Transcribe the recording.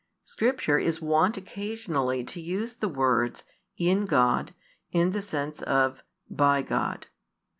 Scripture is wont occasionally to use the words "in God" in the sense of "by God."